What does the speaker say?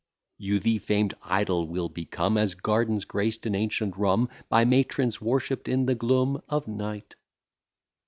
You the famed idol will become, As gardens graced in ancient Rome, By matrons worshipp'd in the gloom of night.